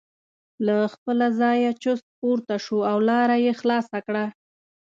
له خپله ځایه چست پورته شو او لاره یې خلاصه کړه.